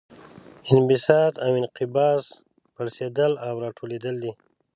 انبساط او انقباض پړسیدل او راټولیدل دي.